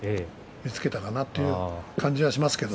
見つけたかなという感じがしますね。